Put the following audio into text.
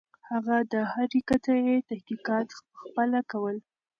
هغه د هرې قطعې تحقیقات پخپله کول.